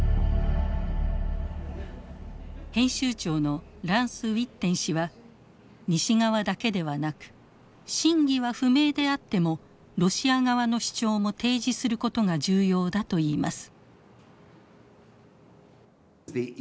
編集長のランス・ウィッテン氏は西側だけではなく真偽は不明であってもロシア側の主張も提示することが重要だといいます。